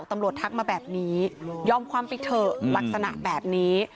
ตำรวจทักมาแบบนี้ย่อมความฟิกเถอะลักษณะแบบนี้